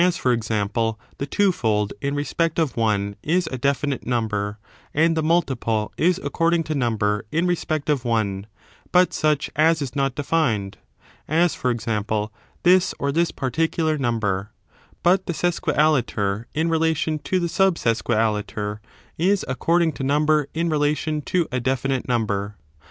j^g^ f^j, example, the twofold in respect of one is a definite number, and the multiple is according to number in respect of one, but such as is not defined ; as, for example, this or this particular number; but the sesquialiter, in relation to the subsesquialiter, is according to number in relation to a definite number.